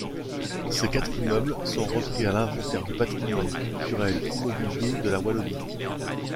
Ces quatre immeubles sont repris à l'inventaire du patrimoine culturel immobilier de la Wallonie.